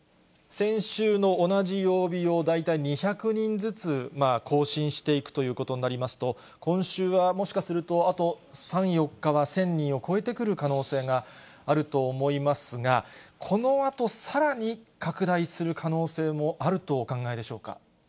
先週の同じ曜日を大体２００人ずつ更新していくということになりますと、今週はもしかすると、あと３、４日は１０００人を超えてくる可能性があると思いますが、このあと、さらに拡大する可能性もあるとお考えでしょうか。